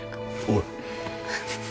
おい！